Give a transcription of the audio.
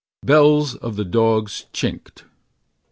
Bells of the dogs chinked.